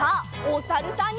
おさるさん。